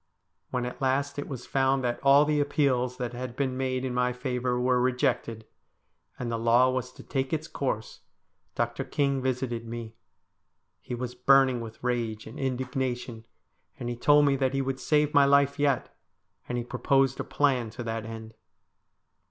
When at last it was found that all the appeals that had been made in my favour were rejected, and the law was to take its course, Dr. King visited me. He was burning with rage and indignation, and he told me that he would save my life yet, and he proposed a plan to that end.